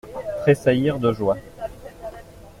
Tressaillir de joie.